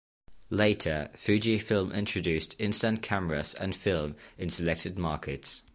Later, Fujifilm introduced instant cameras and film in selected markets.